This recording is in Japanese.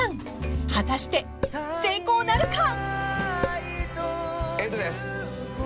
［果たして成功なるか！？］